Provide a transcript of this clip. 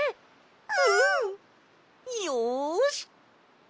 うん！よし！